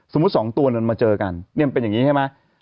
สองตัวมันมาเจอกันเนี่ยมันเป็นอย่างนี้ใช่ไหม